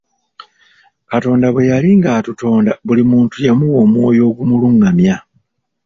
Katonda bwe yali ng'atutonda buli muntu yamuwa omwoyo ogumulungamya.